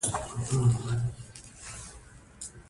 چې نجونې د مور او پلار زړه وساتي.